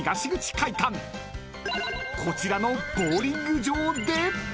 ［こちらのボウリング場で］